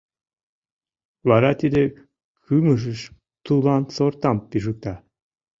Вара тиде кӱмыжыш тулан сортам пижыкта.